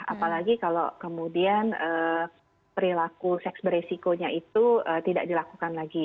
apalagi kalau kemudian perilaku seks beresikonya itu tidak dilakukan lagi